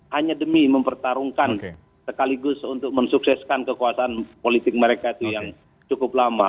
hanya demi mempertarungkan sekaligus untuk mensukseskan kekuasaan politik mereka itu yang cukup lama